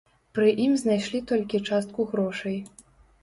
Пры ім знайшлі толькі частку грошай.